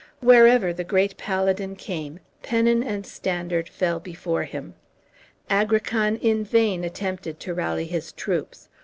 Wherever the great paladin came, pennon and standard fell before him. Agrican in vain attempted to rally his troops.